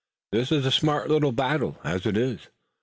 This is a smart little battle, as it is.